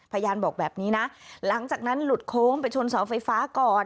พยานบอกแบบนี้นะหลังจากนั้นหลุดโค้งไปชนเสาไฟฟ้าก่อน